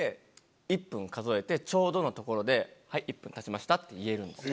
ちょうどのところで「はい１分経ちました」って言えるんですよ。